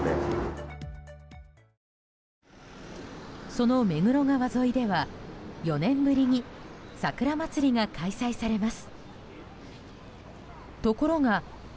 その目黒川沿いでは４年ぶりに桜まつりが開催されます。